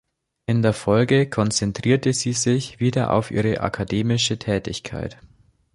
In der Folge konzentrierte sie sich wieder auf ihre akademische Tätigkeit.